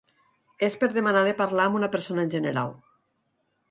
És per demanar de parlar amb una persona en general.